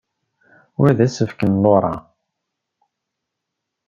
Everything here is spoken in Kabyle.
Wa d asefk n Laura?